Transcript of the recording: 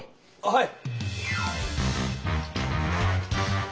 はい。